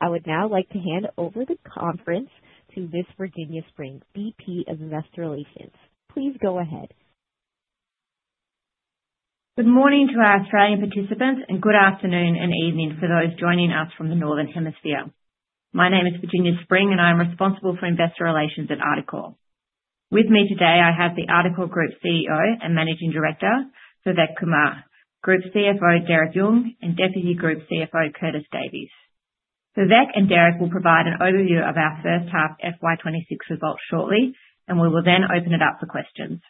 I would now like to hand over the conference to Ms. Virginia Spring, VP of Investor Relations. Please go ahead. Good morning to our Australian participants, and good afternoon and evening for those joining us from the Northern Hemisphere. My name is Virginia Spring, and I'm responsible for investor relations at Articore. With me today, I have the Articore Group CEO and Managing Director, Vivek Kumar, Group CFO, Derek Yung, and Deputy Group CFO, Curtis Davies. Vivek and Derek will provide an overview of our first half FY 2026 results shortly, and we will then open it up for questions.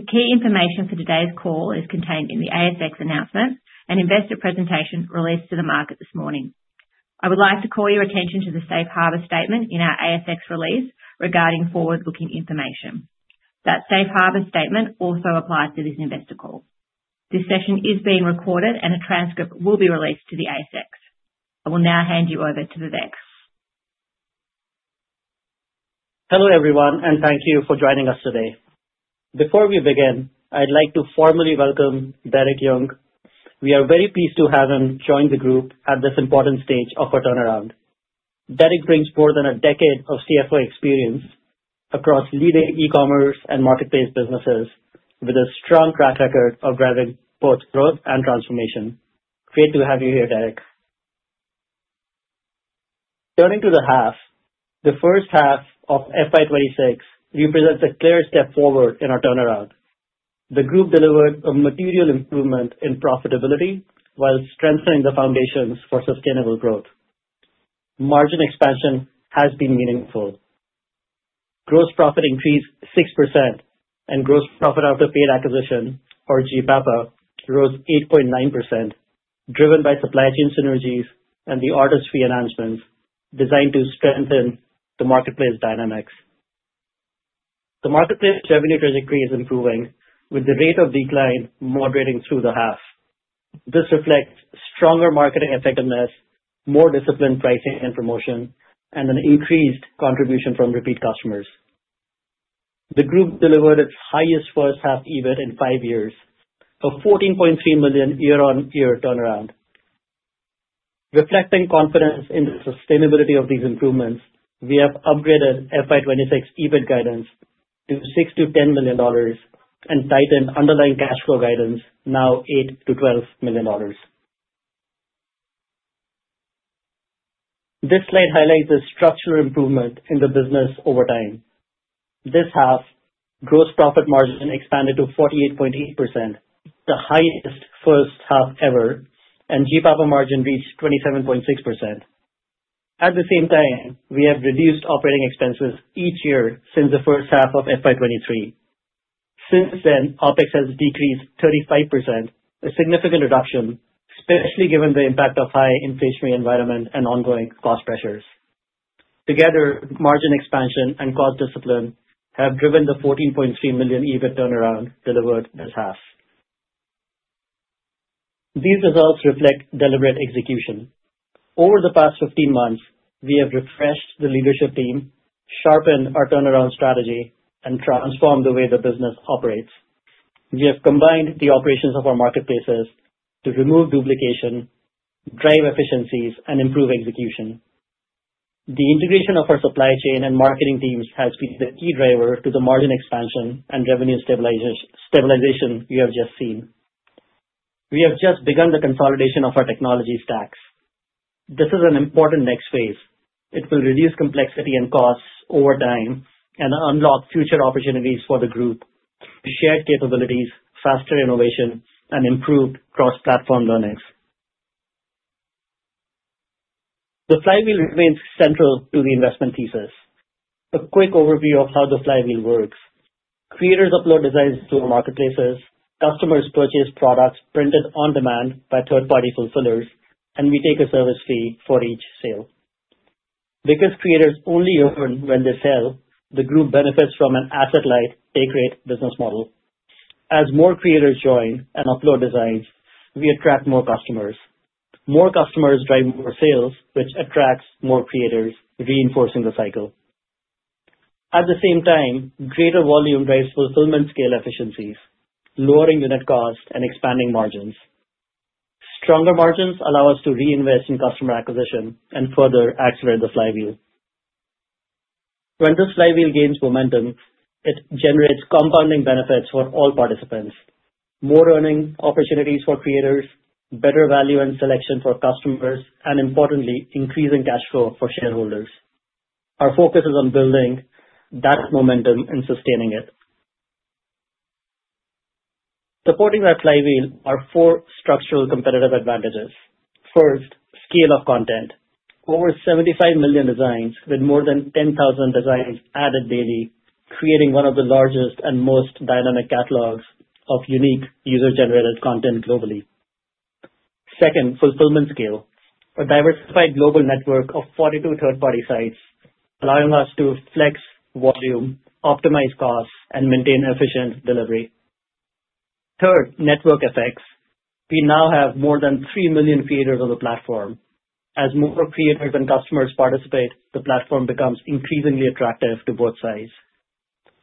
The key information for today's call is contained in the ASX announcement and investor presentation released to the market this morning. I would like to call your attention to the safe harbor statement in our ASX release regarding forward-looking information. That safe harbor statement also applies to this investor call. This session is being recorded, and a transcript will be released to the ASX. I will now hand you over to Vivek. Hello, everyone, and thank you for joining us today. Before we begin, I'd like to formally welcome Derek Yung. We are very pleased to have him join the group at this important stage of our turnaround. Derek brings more than a decade of CFO experience across leading e-commerce and marketplace businesses, with a strong track record of driving both growth and transformation. Great to have you here, Derek. Turning to the half, the first half of FY 2026 represents a clear step forward in our turnaround. The group delivered a material improvement in profitability while strengthening the foundations for sustainable growth. Margin expansion has been meaningful. Gross profit increased 6%, and gross profit after paid acquisition, or GPAPA, rose 8.9%, driven by supply chain synergies and the artist fee enhancements designed to strengthen the marketplace dynamics. The marketplace revenue trajectory is improving, with the rate of decline moderating through the half. This reflects stronger marketing effectiveness, more disciplined pricing and promotion, and an increased contribution from repeat customers. The group delivered its highest first half EBIT in five years, a 14.3 million year-on-year turnaround. Reflecting confidence in the sustainability of these improvements, we have upgraded FY 2026 EBIT guidance to 6 million-10 million dollars and tightened underlying cash flow guidance, now 8 million-12 million dollars. This slide highlights the structural improvement in the business over time. This half, gross profit margin expanded to 48.8%, the highest first half ever, and GPAPA margin reached 27.6%. At the same time, we have reduced operating expenses each year since the first half of FY 2023. Since then, OpEx has decreased 35%, a significant reduction, especially given the impact of high inflationary environment and ongoing cost pressures. Together, margin expansion and cost discipline have driven the 14.3 million EBIT turnaround delivered this half. These results reflect deliberate execution. Over the past 15 months, we have refreshed the leadership team, sharpened our turnaround strategy, and transformed the way the business operates. We have combined the operations of our marketplaces to remove duplication, drive efficiencies, and improve execution. The integration of our supply chain and marketing teams has been the key driver to the margin expansion and revenue stabilization we have just seen. We have just begun the consolidation of our technology stacks. This is an important next phase. It will reduce complexity and costs over time and unlock future opportunities for the group, shared capabilities, faster innovation, and improved cross-platform learnings. The flywheel remains central to the investment thesis. A quick overview of how the flywheel works: creators upload designs to the marketplaces, customers purchase products printed on demand by third-party fulfillers, and we take a service fee for each sale. Because creators only earn when they sell, the group benefits from an asset-light, pure-play business model. As more creators join and upload designs, we attract more customers. More customers drive more sales, which attracts more creators, reinforcing the cycle. At the same time, greater volume drives fulfillment scale efficiencies, lowering the net cost and expanding margins. Stronger margins allow us to reinvest in customer acquisition and further accelerate the flywheel. When the flywheel gains momentum, it generates compounding benefits for all participants, more earning opportunities for creators, better value and selection for customers, and importantly, increasing cash flow for shareholders. Our focus is on building that momentum and sustaining it. Supporting our flywheel are four structural competitive advantages. First, scale of content. Over 75 million designs, with more than 10,000 designs added daily, creating one of the largest and most dynamic catalogs of unique user-generated content globally. Second, fulfillment scale. A diversified global network of 42 third-party sites, allowing us to flex volume, optimize costs, and maintain efficient delivery. Third, network effects. We now have more than 3 million creators on the platform. As more creators and customers participate, the platform becomes increasingly attractive to both sides.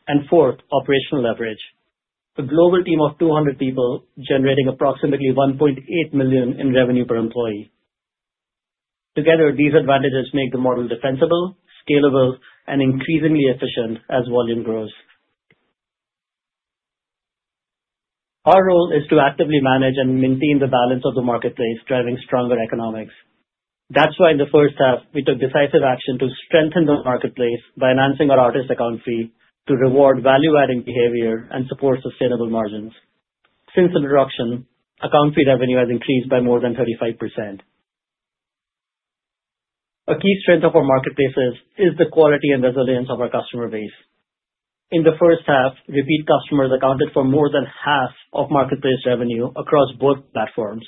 And fourth, operational leverage. A global team of 200 people generating approximately 1.8 million in revenue per employee. Together, these advantages make the model defensible, scalable, and increasingly efficient as volume grows. Our role is to actively manage and maintain the balance of the marketplace, driving stronger economics. That's why in the first half, we took decisive action to strengthen the marketplace by enhancing our artist account fee to reward value-adding behavior and support sustainable margins. Since introduction, account fee revenue has increased by more than 35%. A key strength of our marketplaces is the quality and resilience of our customer base. In the first half, repeat customers accounted for more than half of marketplace revenue across both platforms,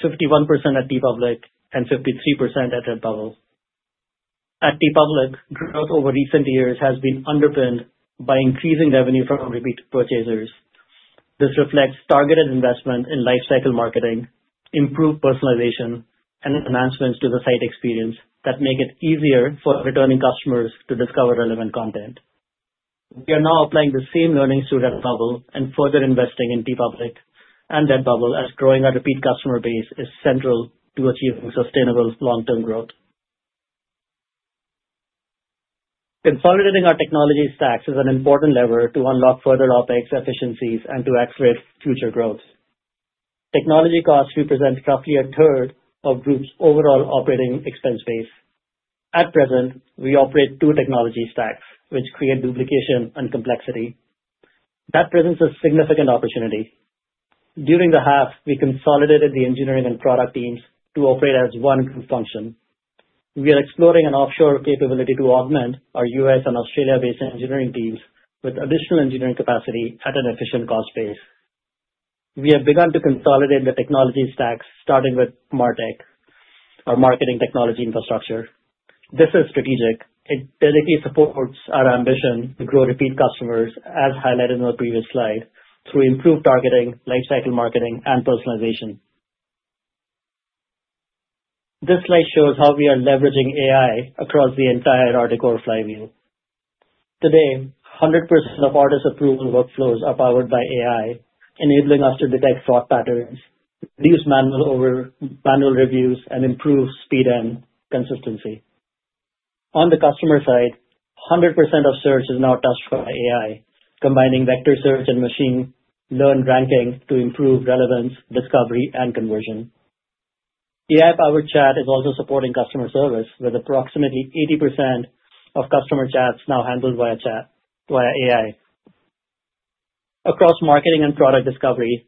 51% at TeePublic and 53% at Redbubble. At TeePublic, growth over recent years has been underpinned by increasing revenue from repeat purchasers. This reflects targeted investment in life cycle marketing, improved personalization, and enhancements to the site experience that make it easier for returning customers to discover relevant content. We are now applying the same learning to Redbubble and further investing in TeePublic and Redbubble as growing our repeat customer base is central to achieving sustainable long-term growth. Consolidating our technology stacks is an important lever to unlock further OpEx efficiencies and to accelerate future growth. Technology costs represent roughly a third of Group's overall operating expense base. At present, we operate two technology stacks, which create duplication and complexity. That presents a significant opportunity. During the half, we consolidated the engineering and product teams to operate as one function. We are exploring an offshore capability to augment our U.S. and Australia-based engineering teams with additional engineering capacity at an efficient cost base. We have begun to consolidate the technology stacks, starting with MarTech, our marketing technology infrastructure. This is strategic. It directly supports our ambition to grow repeat customers, as highlighted in the previous slide, through improved targeting, lifecycle marketing, and personalization. This slide shows how we are leveraging AI across the entire Articore flywheel. Today, 100% of artist approval workflows are powered by AI, enabling us to detect fraud patterns, reduce manual overhead, manual reviews, and improve speed and consistency. On the customer side, 100% of search is now touched by AI, combining vector search and machine learned ranking to improve relevance, discovery, and conversion. AI-powered chat is also supporting customer service, with approximately 80% of customer chats now handled via chat, via AI. Across marketing and product discovery,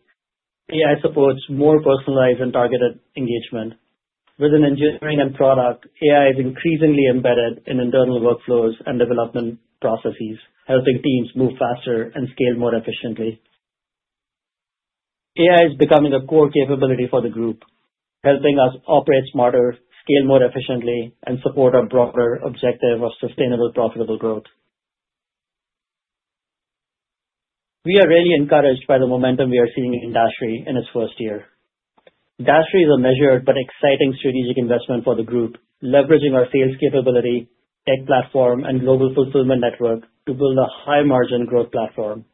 AI supports more personalized and targeted engagement. Within engineering and product, AI is increasingly embedded in internal workflows and development processes, helping teams move faster and scale more efficiently. AI is becoming a core capability for the group, helping us operate smarter, scale more efficiently, and support our broader objective of sustainable, profitable growth. We are really encouraged by the momentum we are seeing in Dashery in its first year. Dashery is a measured but exciting strategic investment for the group, leveraging our sales capability, tech platform, and global fulfillment network to build a high-margin growth platform.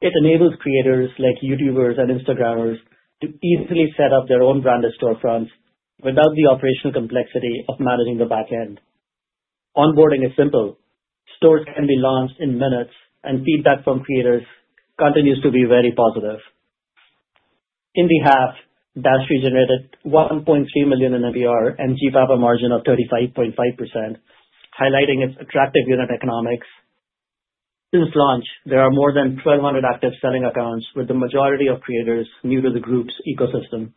It enables creators like YouTubers and Instagrammers to easily set up their own branded storefronts without the operational complexity of managing the back end. Onboarding is simple. Stores can be launched in minutes, and feedback from creators continues to be very positive. In the half, Dashery generated 1.3 million in NVR and GPAPA margin of 35.5%, highlighting its attractive unit economics. Since launch, there are more than 1,200 active selling accounts, with the majority of creators new to the group's ecosystem.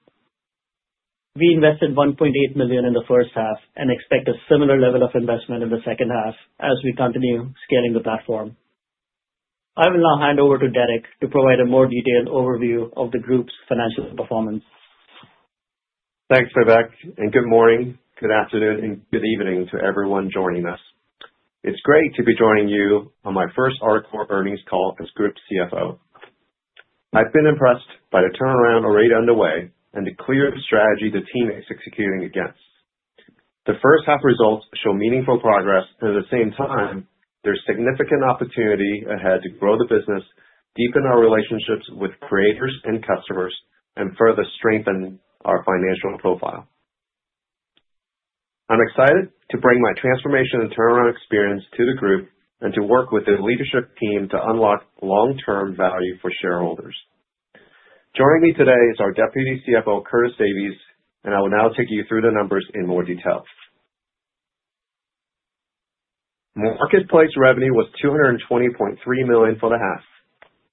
We invested 1.8 million in the first half and expect a similar level of investment in the second half as we continue scaling the platform. I will now hand over to Derek to provide a more detailed overview of the group's financial performance. Thanks, Vivek, and good morning, good afternoon, and good evening to everyone joining us. It's great to be joining you on my first Articore earnings call as Group CFO. I've been impressed by the turnaround already underway and the clear strategy the team is executing against. The first half results show meaningful progress, and at the same time, there's significant opportunity ahead to grow the business, deepen our relationships with creators and customers, and further strengthen our financial profile. I'm excited to bring my transformation and turnaround experience to the group and to work with the leadership team to unlock long-term value for shareholders. Joining me today is our Deputy CFO, Curtis Davies, and I will now take you through the numbers in more detail. Marketplace revenue was 220.3 million for the half.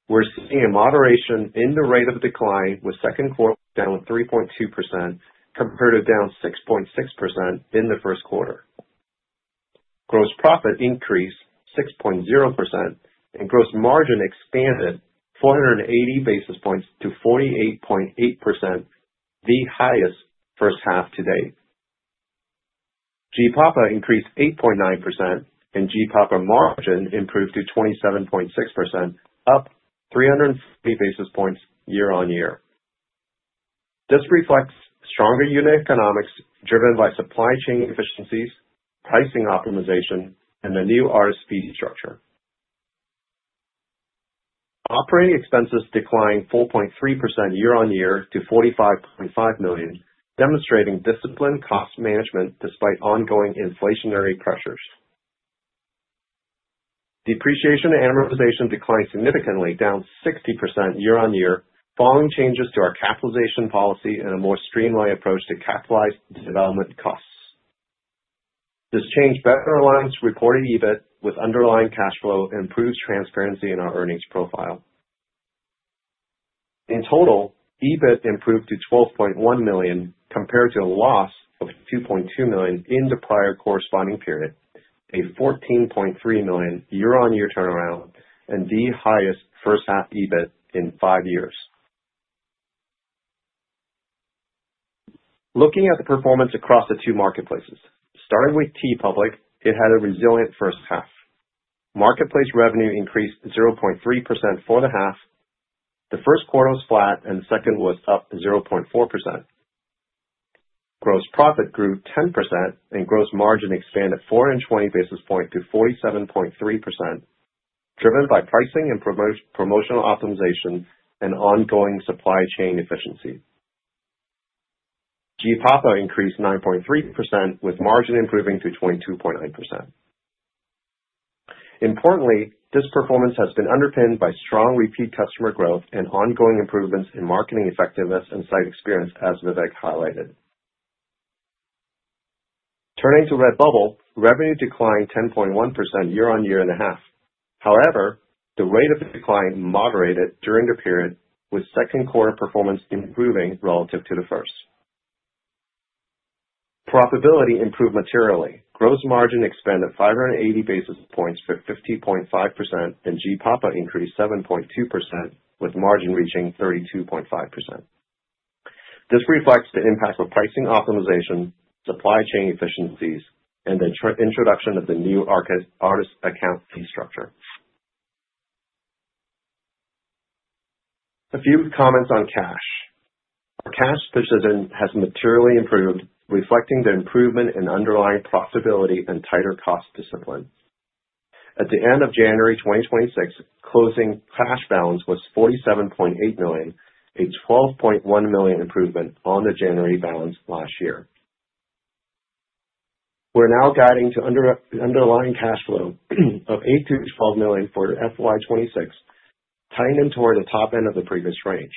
We're seeing a moderation in the rate of decline, with second quarter down 3.2%, compared to down 6.6% in the first quarter. Gross profit increased 6.0%, and gross margin expanded 480 basis points to 48.8%, the highest first half to date. GPAPA increased 8.9%, and GPAPA margin improved to 27.6%, up 350 basis points year-on-year.... This reflects stronger unit economics driven by supply chain efficiencies, pricing optimization, and the new artist fee structure. Operating expenses declined 4.3% year-on-year to 45.5 million, demonstrating disciplined cost management despite ongoing inflationary pressures. Depreciation and amortization declined significantly, down 60% year-on-year, following changes to our capitalization policy and a more streamlined approach to capitalized development costs. This change better aligns reported EBIT with underlying cash flow, improves transparency in our earnings profile. In total, EBIT improved to 12.1 million, compared to a loss of 2.2 million in the prior corresponding period, a 14.3 million year-on-year turnaround, and the highest first half EBIT in five years. Looking at the performance across the two marketplaces. Starting with TeePublic, it had a resilient first half. Marketplace revenue increased 0.3% for the half. The first quarter was flat and the second was up 0.4%. Gross profit grew 10% and gross margin expanded 420 basis points to 47.3%, driven by pricing and promotional optimization and ongoing supply chain efficiency. GPAPA increased 9.3%, with margin improving to 22.9%. Importantly, this performance has been underpinned by strong repeat customer growth and ongoing improvements in marketing effectiveness and site experience, as Vivek highlighted. Turning to Redbubble, revenue declined 10.1% year-on-year and a half. However, the rate of decline moderated during the period, with second quarter performance improving relative to the first. Profitability improved materially. Gross margin expanded 580 basis points to 50.5%, and GPAPA increased 7.2%, with margin reaching 32.5%. This reflects the impact of pricing optimization, supply chain efficiencies, and the introduction of the new artist account fee structure. A few comments on cash. Our cash position has materially improved, reflecting the improvement in underlying profitability and tighter cost discipline. At the end of January 2026, closing cash balance was 47.8 million, a 12.1 million improvement on the January balance last year. We're now guiding to underlying cash flow of 8-12 million for FY 2026, tying in toward the top end of the previous range.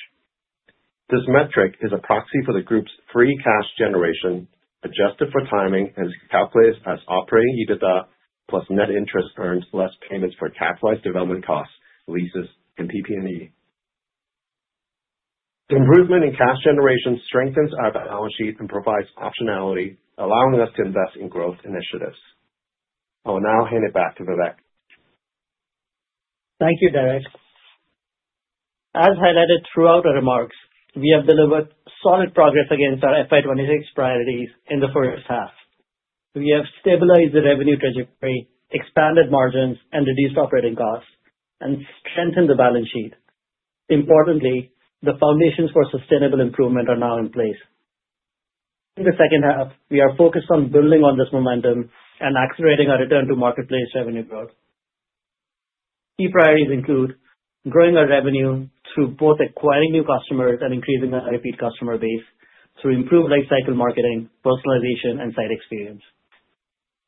This metric is a proxy for the group's free cash generation, adjusted for timing and calculated as operating EBITDA plus net interest earned, less payments for capitalized development costs, leases, and PP&E. The improvement in cash generation strengthens our balance sheet and provides optionality, allowing us to invest in growth initiatives. I will now hand it back to Vivek. Thank you, Derek. As highlighted throughout our remarks, we have delivered solid progress against our FY 26 priorities in the first half. We have stabilized the revenue trajectory, expanded margins, and reduced operating costs and strengthened the balance sheet. Importantly, the foundations for sustainable improvement are now in place. In the second half, we are focused on building on this momentum and accelerating our return to marketplace revenue growth. Key priorities include growing our revenue through both acquiring new customers and increasing our repeat customer base to improve life cycle marketing, personalization, and site experience.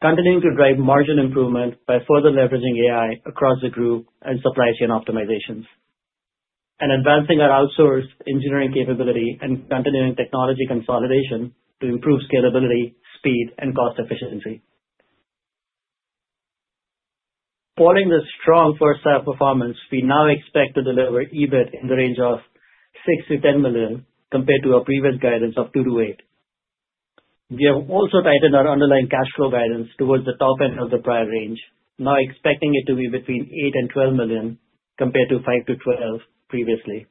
Continuing to drive margin improvement by further leveraging AI across the group and supply chain optimizations, and advancing our outsourced engineering capability and continuing technology consolidation to improve scalability, speed, and cost efficiency. Following the strong first half performance, we now expect to deliver EBIT in the range of 6-10 million, compared to our previous guidance of 2-8 million. We have also tightened our underlying cash flow guidance towards the top end of the prior range, now expecting it to be between 8-12 million, compared to 5-12 million previously.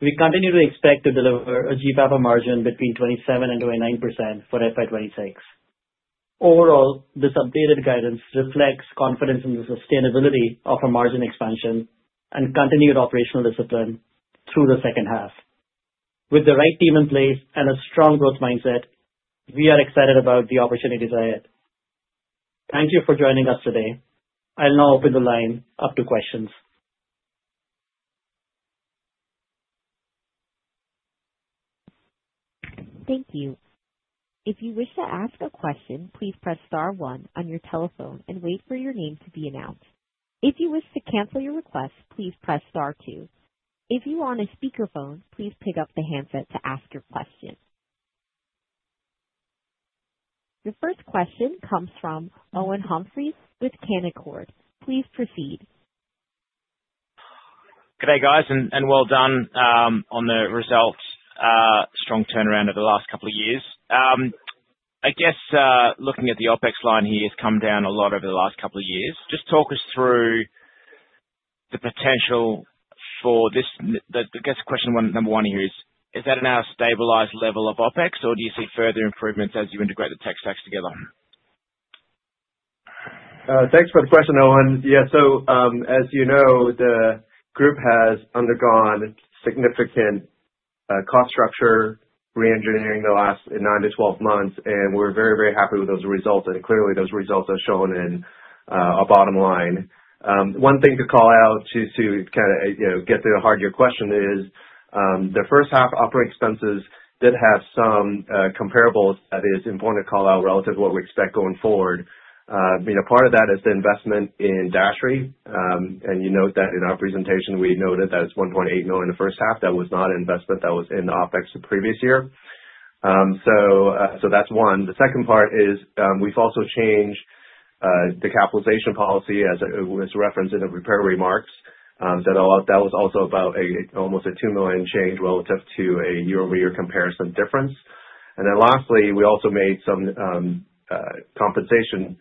We continue to expect to deliver a GPAPA margin between 27%-29% for FY 2026. Overall, this updated guidance reflects confidence in the sustainability of our margin expansion and continued operational discipline through the second half. With the right team in place and a strong growth mindset, we are excited about the opportunities ahead. Thank you for joining us today. I'll now open the line up to questions. Thank you. If you wish to ask a question, please press star one on your telephone and wait for your name to be announced. If you wish to cancel your request, please press star two. If you are on a speakerphone, please pick up the handset to ask your question. Your first question comes from Owen Humphries with Canaccord. Please proceed. Good day, guys, and well done on the results, strong turnaround over the last couple of years. I guess, looking at the OpEx line here, it's come down a lot over the last couple of years. Just talk us through the potential for this... I guess, question one, number one here is, is that now a stabilized level of OpEx, or do you see further improvements as you integrate the tech stacks together?... Thanks for the question, Owen. Yeah, so, as you know, the group has undergone significant, cost structure reengineering the last 9-12 months, and we're very, very happy with those results, and clearly those results are shown in, our bottom line. One thing to call out to, to kind of, you know, get to the heart of your question is, the first half operating expenses did have some, comparables that is important to call out relative to what we expect going forward. I mean, a part of that is the investment in Dashery. And you note that in our presentation, we noted that it's 1.8 million in the first half. That was not an investment, that was in the OpEx the previous year. So, so that's one. The second part is, we've also changed the capitalization policy as it was referenced in the prepared remarks. So that was also about almost a 2 million change relative to a year-over-year comparison difference. And then lastly, we also made some compensation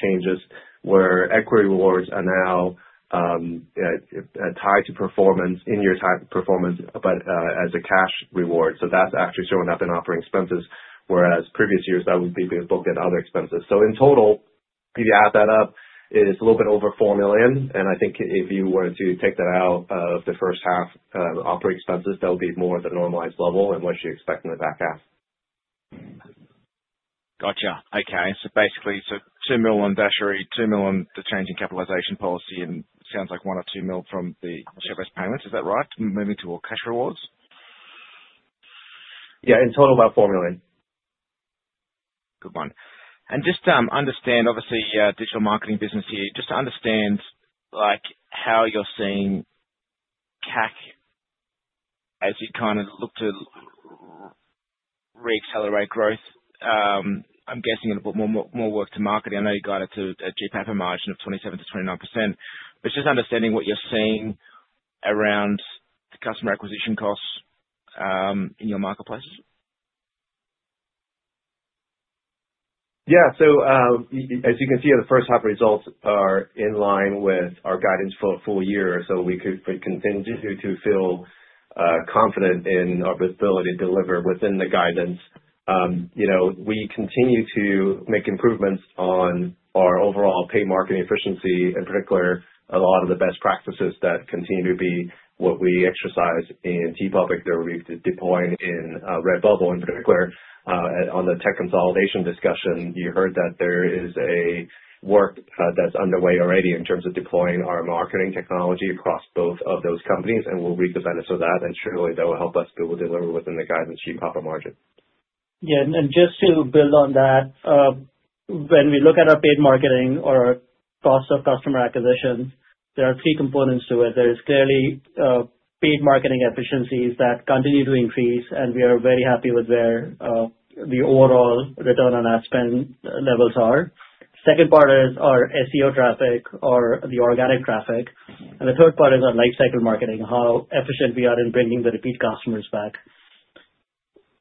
changes, where equity rewards are now tied to performance, in-year performance, but as a cash reward. So that's actually showing up in operating expenses, whereas previous years that would be booked in other expenses. So in total, if you add that up, it is a little bit over 4 million, and I think if you were to take that out of the first half operating expenses, that would be more of a normalized level and what you expect in the back half. Gotcha. Okay. So basically, so 2 million on Dashery, 2 million on the change in capitalization policy, and sounds like 1 million or 2 million from the service payments. Is that right? Moving to all cash rewards. Yeah, in total, about 4 million. Good one. And just understand, obviously, digital marketing business here, just to understand, like, how you're seeing CAC as you kind of look to reaccelerate growth. I'm guessing it'll put more, more work to marketing. I know you got it to a GPAPA margin of 27%-29%. But just understanding what you're seeing around the customer acquisition costs in your marketplace. Yeah. So, as you can see, the first half results are in line with our guidance for a full year, so we could continue to feel confident in our ability to deliver within the guidance. You know, we continue to make improvements on our overall paid marketing efficiency, in particular, a lot of the best practices that continue to be what we exercise in TeePublic, that we're deploying in Redbubble in particular. On the tech consolidation discussion, you heard that there is work that's underway already in terms of deploying our marketing technology across both of those companies, and we'll redesign it so that, and surely that will help us be able to deliver within the guidance, the profit margin. Yeah, and, and just to build on that, when we look at our paid marketing or cost of customer acquisition, there are three components to it. There is clearly paid marketing efficiencies that continue to increase, and we are very happy with where the overall return on our spend levels are. Second part is our SEO traffic or the organic traffic, and the third part is our lifecycle marketing, how efficient we are in bringing the repeat customers back.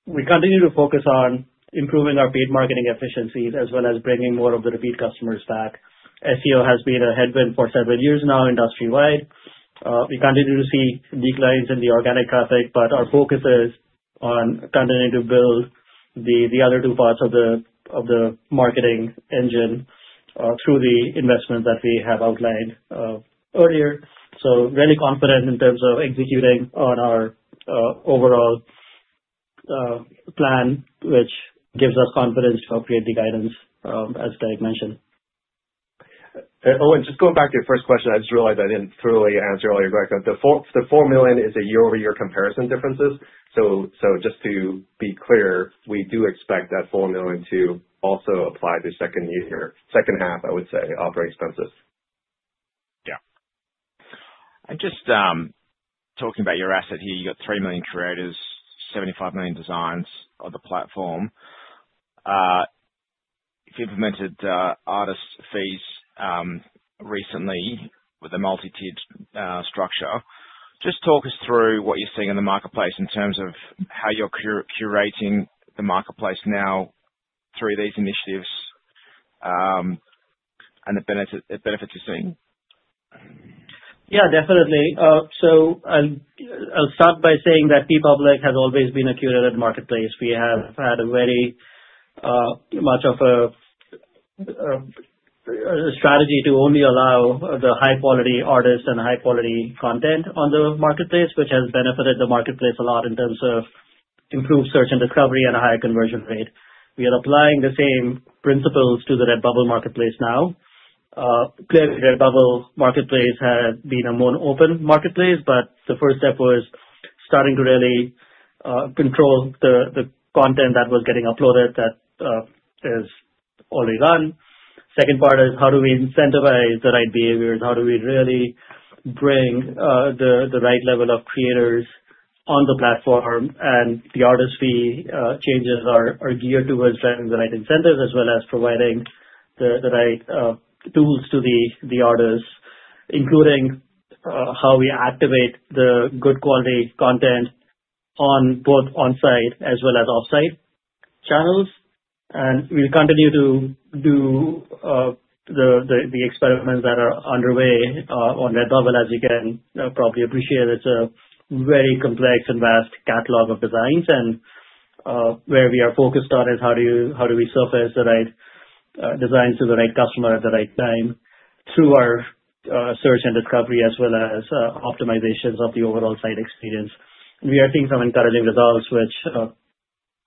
We continue to focus on improving our paid marketing efficiencies, as well as bringing more of the repeat customers back. SEO has been a headwind for several years now, industry-wide. We continue to see declines in the organic traffic, but our focus is on continuing to build the other two parts of the marketing engine, through the investment that we have outlined earlier. So very confident in terms of executing on our overall plan, which gives us confidence to operate the guidance, as Derek mentioned. Owen, just going back to your first question, I just realized I didn't thoroughly answer all your questions. The four, the four million is a year-over-year comparison differences. So, so just to be clear, we do expect that four million to also apply to second year, second half, I would say, operating expenses. Yeah. And just talking about your asset here, you got 3 million creators, 75 million designs on the platform. You've implemented artist fees recently with a multi-tiered structure. Just talk us through what you're seeing in the marketplace in terms of how you're curating the marketplace now through these initiatives, and the benefit, the benefits you're seeing? Yeah, definitely. So I'll start by saying that TeePublic has always been a curated marketplace. We have had a very much of a strategy to only allow the high-quality artists and high-quality content on the marketplace, which has benefited the marketplace a lot in terms of improved search and discovery and a higher conversion rate. We are applying the same principles to the Redbubble marketplace now. Clearly, Redbubble marketplace had been a more open marketplace, but the first step was starting to really control the content that was getting uploaded that is already run. Second part is: How do we incentivize the right behaviors? And how do we really bring the right level of creators on the platform? The artist fee changes are geared toward driving the right incentives, as well as providing the right tools to the artists, including how we activate the good quality content on both on-site as well as off-site channels. We'll continue to do the experiments that are underway on Redbubble. As you can probably appreciate, it's a very complex and vast catalog of designs, and where we are focused on is how do you- how do we surface the right designs to the right customer at the right time through our search and discovery, as well as optimizations of the overall site experience. We are seeing some encouraging results, which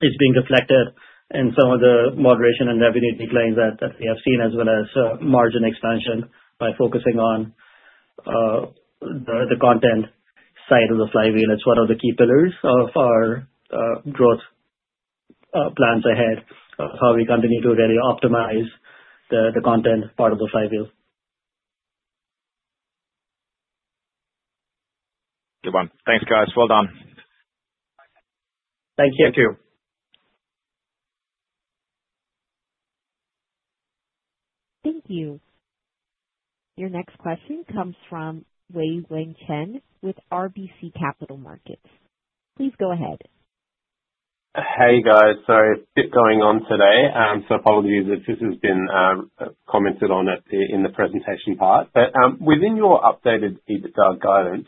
is being reflected in some of the moderation and revenue declines that we have seen, as well as, margin expansion by focusing on, the content side of the flywheel. That's one of the key pillars of our growth plans ahead, of how we continue to really optimize the content part of the flywheel. Good one. Thanks, guys. Well done. Thank you. Thank you. Thank you. Your next question comes from Wei-Weng Chen with RBC Capital Markets. Please go ahead. Hey, guys. Sorry, a bit going on today. So apologies if this has been commented on in the presentation part. But, within your updated EBITDA guidance,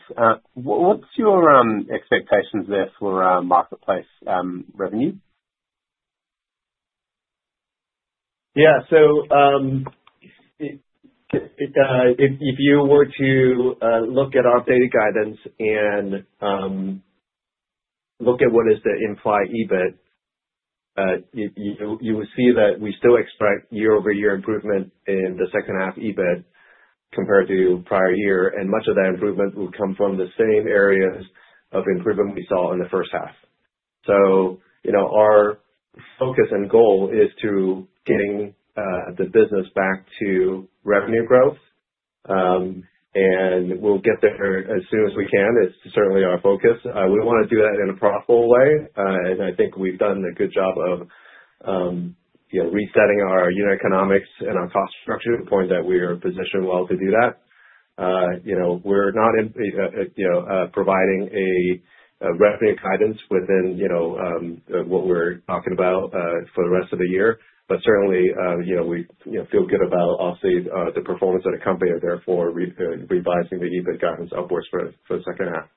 what's your expectations there for marketplace revenue? Yeah. So, if you were to look at our updated guidance and look at what is the implied EBIT, you would see that we still expect year-over-year improvement in the second half EBIT compared to prior year, and much of that improvement will come from the same areas of improvement we saw in the first half. So, you know, our focus and goal is to getting the business back to revenue growth. And we'll get there as soon as we can. It's certainly our focus. We wanna do that in a profitable way. And I think we've done a good job of, you know, resetting our unit economics and our cost structure to the point that we are positioned well to do that. You know, we're not in you know providing a revenue guidance within, you know, what we're talking about for the rest of the year. But certainly, you know, we you know feel good about obviously the performance of the company and therefore revising the EBIT guidance upwards for the second half.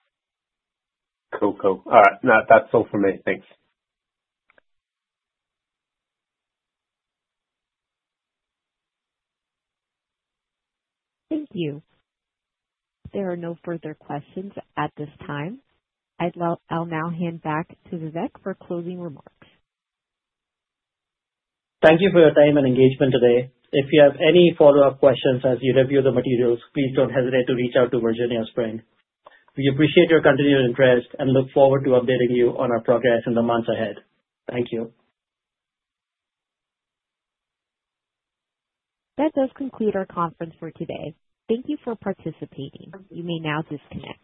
Cool. Cool. All right, mate, that's all for me. Thanks. Thank you. There are no further questions at this time. I'll now hand back to Vivek for closing remarks. Thank you for your time and engagement today. If you have any follow-up questions as you review the materials, please don't hesitate to reach out to Virginia Spring. We appreciate your continued interest and look forward to updating you on our progress in the months ahead. Thank you. That does conclude our conference for today. Thank you for participating. You may now disconnect.